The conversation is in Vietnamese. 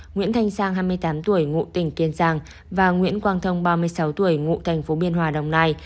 nguyễn thanh sang hai mươi tám tuổi ngụ tỉnh tiên giang và nguyễn quang thông ba mươi sáu tuổi ngụ tp biên hòa đồng nai